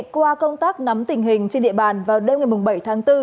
qua công tác nắm tình hình trên địa bàn vào đêm ngày bảy tháng bốn